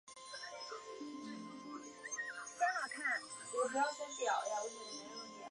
陆钦侃是知名的反对三峡工程上马的代表人物。